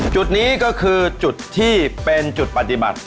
จุดนี้ก็คือจุดที่เป็นจุดปฏิบัติ